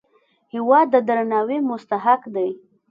هېواد د درناوي مستحق دی.